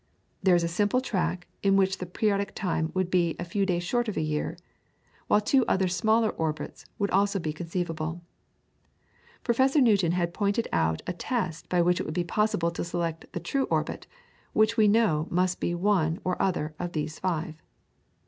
There is a similar track in which the periodic time would be a few days short of a year, while two other smaller orbits would also be conceivable. Professor Newton had pointed out a test by which it would be possible to select the true orbit, which we know must be one or other of these five.